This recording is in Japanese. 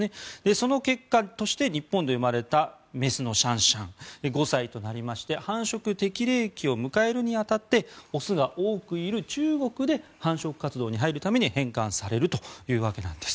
その結果として日本で生まれた雌のシャンシャン５歳となりまして繁殖適齢期を迎えるに当たって雄が多くいる中国で繁殖活動に入るために返還されるというわけなんです。